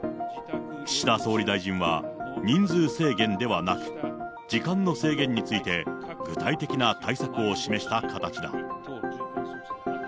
岸田総理大臣は、人数制限ではなく、時間の制限について、具体的な対策を示した形だ。